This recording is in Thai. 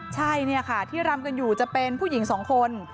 ใช่ที่รำกันอยู่จะเป็นผู้หญิง๒คน